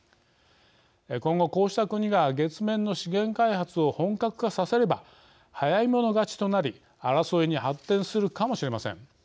今後、こうした国が月面の資源開発を本格化させれば早い者勝ちとなり争いに発展するかもしれません。